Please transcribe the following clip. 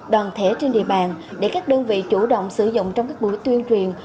đoàn thể trên địa bàn để các đơn vị chủ động sử dụng trong các buổi tuyên truyền